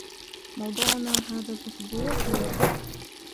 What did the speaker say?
موضوعنا هذا الأسبوع هو: _____.